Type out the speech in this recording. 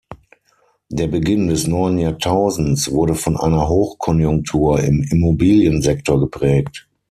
Der Beginn des neuen Jahrtausends wurde von einer Hochkonjunktur im Immobiliensektor geprägt.